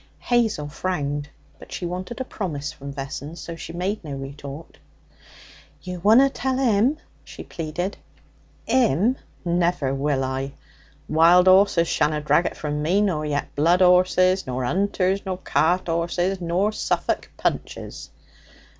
Hazel frowned; but she wanted a promise from Vessons, so she made no retort. 'You wunna tell 'im?' she pleaded. ''Im? Never will I! Wild 'orses shanna drag it from me, nor yet blood 'orses, nor 'unters, nor cart 'orses, nor Suffolk punches!'